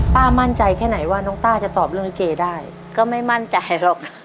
ป้ามั่นใจแค่ไหนว่าน้องต้าจะตอบเรื่องลิเกได้ก็ไม่มั่นใจหรอก